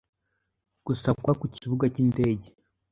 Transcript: gusakwa kubibuga by’indege